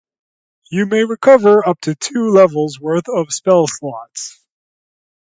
You may recover up to two levels worth of spell slots.